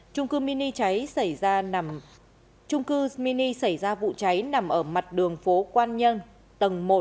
trung cư mini xảy ra vụ cháy nằm ở mặt đường phố quan nhân tầng một có kinh doanh dịch vụ ăn uống từ tầng hai đến tầng chín là các căn hộ mini